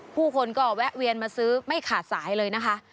ผู้คนก็แวะเวียนมาซื้อไม่ขาดสายเลยนะคะ